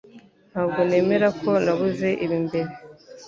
Ntabwo nemera ko nabuze ibi mbere